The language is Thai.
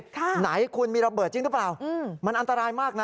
ไหนคุณมีระเบิดจริงหรือเปล่ามันอันตรายมากนะ